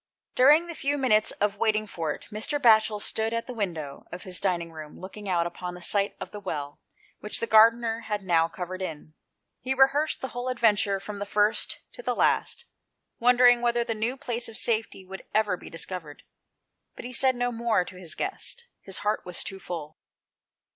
Buring the few minutes of waiting for it Mr. 'Batchel stood at the window of his dining room looking out upon the site of the well which the gardener had now covered in. He rehearsed the whole of the adventure from first to last, wondering whether the :^w place of safety would ever be discovered. But he said no more to his guest; his heart was too full.